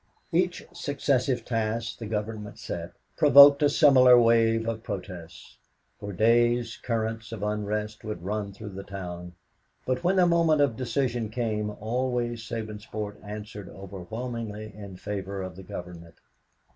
Each successive task the Government set provoked a similar wave of protest. For days currents of unrest would run through the town, but when the moment of decision came always Sabinsport answered overwhelmingly in favor of the Government.